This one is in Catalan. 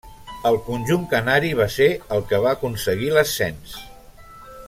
El conjunt canari va ser el que va aconseguir l'ascens.